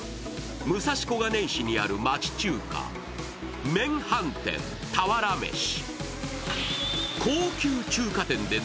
武蔵小金井市にある街中華、麺飯店俵飯。